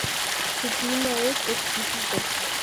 Su clima es exquisito.